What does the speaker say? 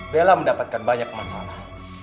bella mendapatkan banyak masalah